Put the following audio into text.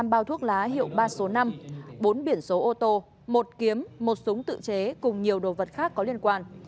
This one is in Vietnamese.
ba trăm linh bao thuốc lá hiệu ba số năm bốn biển số ô tô một kiếm một súng tự chế cùng nhiều đồ vật khác có liên quan